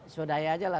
sudah ya aja lah